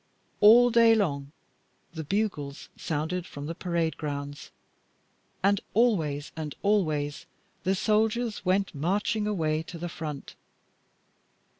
All day long the bugles sounded from the parade grounds, and always and always the soldiers went marching away to the front.